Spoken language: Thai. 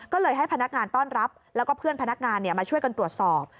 ก็เลยให้พนักงานต้อนรับแล้วก็เพื่อนพนักงานมาช่วยกันตรวจสอบ